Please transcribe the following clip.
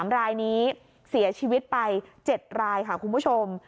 ๓รายนี้เสียชีวิตไป๗รายค่ะคุณผู้ชม